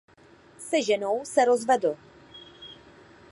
Se ženou se rozvedl.